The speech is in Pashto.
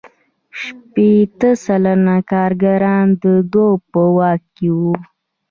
شپیته سلنه کارګران د دوی په واک کې وو